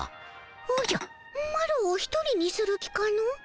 おじゃマロを一人にする気かの？